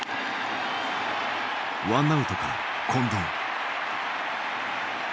ワンアウトから近藤。